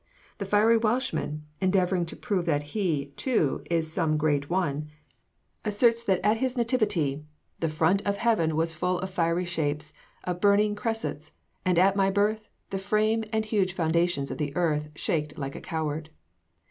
The fiery Welshman, endeavoring to prove that he, too, is some great one, asserts that at his nativity "The front of heaven was full of fiery shapes, Of burning cressets: and at my birth, The frame and huge foundations of the earth Shaked like a coward."